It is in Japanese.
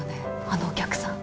あのお客さん。